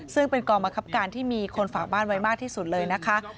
ซึ่งเป็นกองบังคับการที่มีคนฝากบ้านไว้มากที่สุดเลยนะคะ